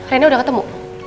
renna udah ketemu